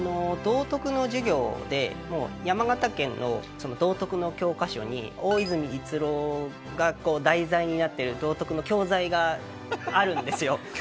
道徳の授業でもう山形県のその道徳の教科書に大泉逸郎が題材になってる道徳の教材があるんですよ。